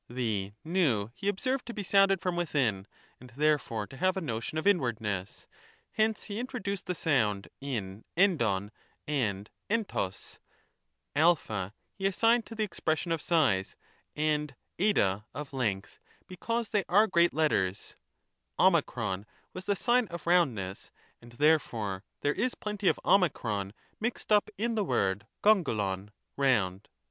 The V he observed to be sounded from within, and therefore to have a notion of inwardness ; hence he introduced the sound in Evdov and kvrog : a he assigned to the expression of size, and Tj of length, because they are great letters : 0 was the sign of roundness, and therefore there is plenty of 0 mixed up in the word yoyyvXov (round).